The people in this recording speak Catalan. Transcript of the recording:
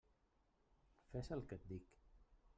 Fes el que et dic.